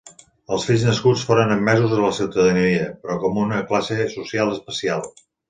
Els fills nascuts foren admesos a la ciutadania, però com una classe social especial.